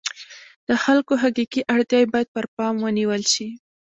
د خلکو حقیقي اړتیاوې باید پر پام ونیول شي.